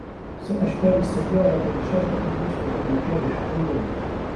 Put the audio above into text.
سأشتري السيارة بشرط أن يصلحوا المكابح أولاً.